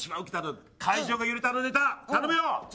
会場が揺れたあのネタ、頼むよ。